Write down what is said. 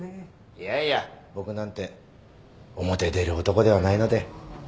いやいや僕なんて表出る男ではないので。